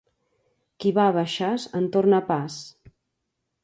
Qui va a Baixàs en torna pas.